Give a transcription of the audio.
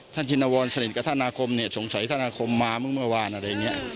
ชินวรสนิทกับท่านอาคมเนี่ยสงสัยท่านอาคมมามึงเมื่อวานอะไรอย่างนี้